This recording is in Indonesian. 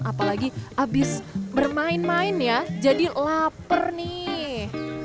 apalagi abis bermain main ya jadi lapar nih